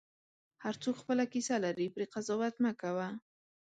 هر څوک خپله کیسه لري، پرې قضاوت مه کوه.